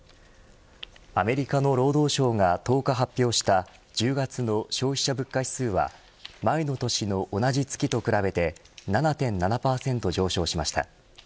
アメリカの労働省が１０日発表した１０月の消費者物価指数は前の年の同じ月と比べて７．７％上昇しました。